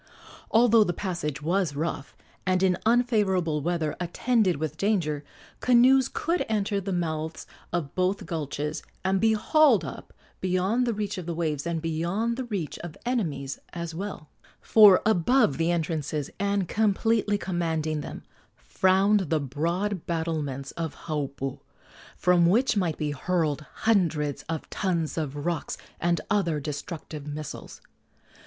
Although the passage was rough and in unfavorable weather attended with danger, canoes could enter the mouths of both gulches and be hauled up beyond the reach of the waves, and beyond the reach of enemies as well; for above the entrances, and completely commanding them, frowned the broad battlements of Haupu, from which might be hurled hundreds of tons of rocks and other destructive missiles.